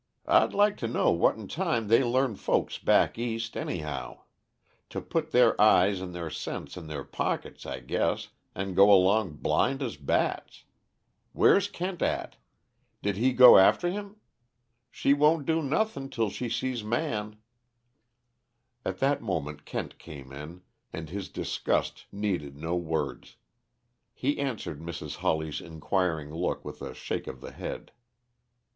I'd like to know what 'n time they learn folks back East, anyhow; to put their eyes and their sense in their pockets, I guess, and go along blind as bats. Where's Kent at? Did he go after him? She won't do nothing till she sees Man " At that moment Kent came in, and his disgust needed no words. He answered Mrs. Hawley's inquiring look with a shake of the head.